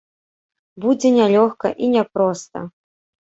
Будзе нялёгка і няпроста.